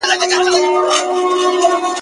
ډېر ښکلي کلمات یې اوډلي او زه پوهېږم !.